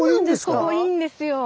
ここいいんですよ。